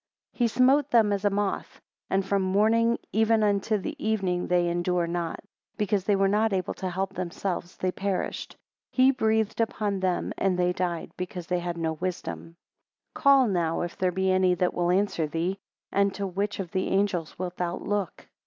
7 He smote them as a moth: and from morning even unto the evening they endure not. Because they were not able to help themselves, they perished; he breathed upon them and they died, because they had no wisdom. 8 Call now if there be any that will answer thee; and to which of the angels wilt thou look?